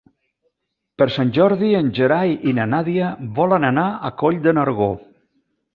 Per Sant Jordi en Gerai i na Nàdia volen anar a Coll de Nargó.